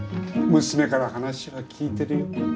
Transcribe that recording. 娘から話は聞いてるよ。